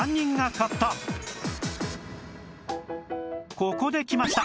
ここできました！